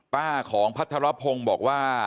ป้าของพัฒนนับพงศ์บอกว่า